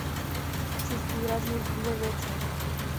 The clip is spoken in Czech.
Chci zdůraznit dvě věci.